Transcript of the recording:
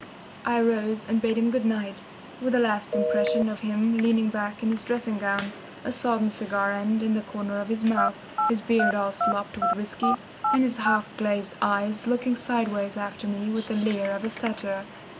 I rose and bade him good night, with a last impression of him leaning back in his dressing gown, a sodden cigar end in the corner of his mouth, his beard all slopped with whisky, and his half glazed eyes looking sideways after me with the leer of a satyr.